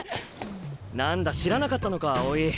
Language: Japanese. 何だ知らなかったのか青井。